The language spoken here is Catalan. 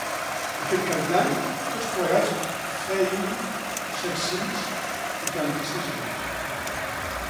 Aquest cap d’any, tots plegats feim set-cents vuitanta-sis anys.